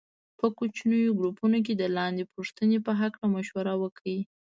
په کوچنیو ګروپونو کې د لاندې پوښتنې په هکله مشوره وکړئ.